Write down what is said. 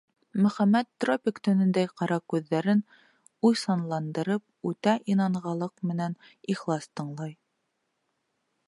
Мөхәммәт, тропик төнөндәй ҡара күҙҙәрен уйсанландырып, үтә инанғанлыҡ менән ихлас тыңлай.